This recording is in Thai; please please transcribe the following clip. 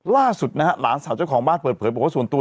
ล่าสุดนะฮะหลานสาวเจ้าของบ้านเปิดเผยบอกว่าส่วนตัว